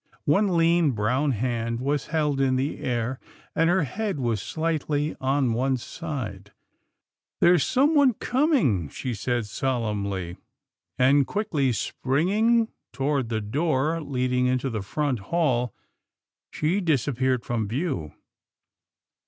One lean, brown hand was held in the air, and her head was slightly on one side. " There's someone com 192 'TILDA JANE'S ORPHANS ing," she said solemnly, and, quickly springing toward the door leading into the front hall, she disappeared from view.